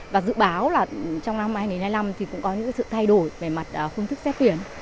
và dự báo là trong năm hai nghìn hai mươi năm thì cũng có những sự thay đổi về mặt phương thức xét tuyển